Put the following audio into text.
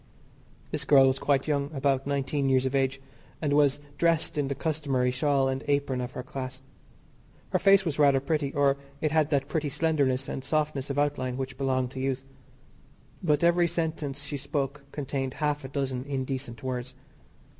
This girl was quite young about nineteen years of age and was dressed in the customary shawl and apron of her class. Her face was rather pretty, or it had that pretty slenderness and softness of outline which belong to youth. But every sentence she spoke contained half a dozen indecent words.